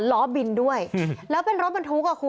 ร้อบินด้วยแล้วเป็นรถมันทุกกับคุณ